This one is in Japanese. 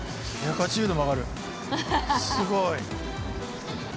すごい。